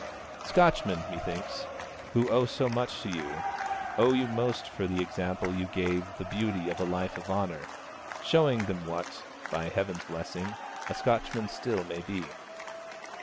Scotchmen, methinks, who owe so much to you, owe you most for the example you gave of the beauty of a life of honour, showing them what, by Heaven's blessing, a Scotchman still might be.